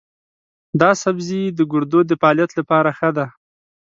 دا سبزی د ګردو د فعالیت لپاره ښه دی.